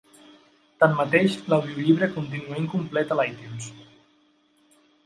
Tanmateix, l'audiollibre continua incomplet a l'iTunes.